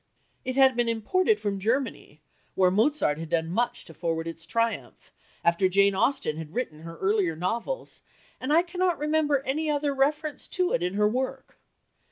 It had been imported from Germany, where Mozart had done much to forward its triumph, after Jane Austen had written her earlier novels, and I cannot remember any other reference to it in her work.